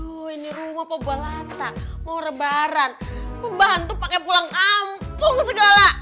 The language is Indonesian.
aduh ini rumah apa belata mau lebaran pembantu pake pulang kampung segala